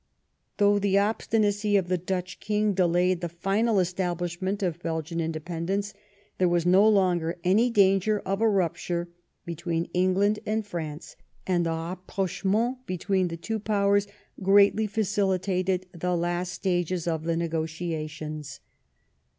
Though the obstinacy of the Dutch King delayed the final establishment of Belgian independence, there was no longer any danger of a rupture between England and France, and the rapprochement between the two Powers greatly facilitated the last stages of the negotia tions.